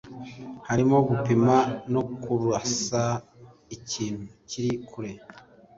harimo gupima no kurasa ikintu kiri kure.